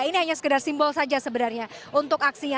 ini hanya sekedar simbol saja sebenarnya untuk aksinya